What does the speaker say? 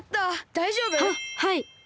だいじょうぶ？ははい。